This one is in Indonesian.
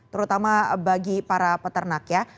terutama bagi para peternak ya